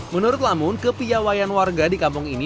menurut lamun kepiawayan warga di kampung ini